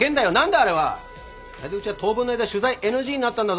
あれでうちは当分の間取材ＮＧになったんだぞ。